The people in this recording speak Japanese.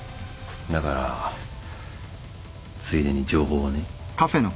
だからついでに情報をね。